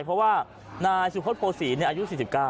เพราะว่านายสุภสโปอร์ศีรภ์อายุ๔๙